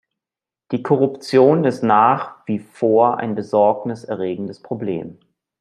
Die Korruption ist nach wie vor ein Besorgnis erregendes Problem.